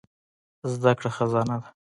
زده کړه خزانه ده.